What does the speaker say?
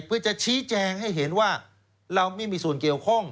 เพื่อจะชี้แจงให้เห็นว่าเราไม่มีส่วนเกี่ยวข้อง